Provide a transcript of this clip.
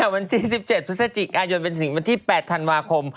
วันที่๑๗พฤษภาคมยนต์เป็นวันที่๘ธันวาคม